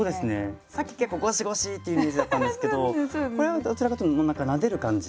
さっき結構ごしごしってイメージだったんですけどこれはどちらかというともう何かなでる感じ。